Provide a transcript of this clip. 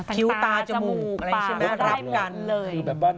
กิวตาจมูกอะไรเข้าใบบรรเลย